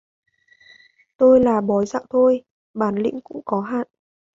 tôi là bói dạo thôi, bản lĩnh cũng có hạn